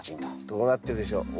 どうなってるでしょう？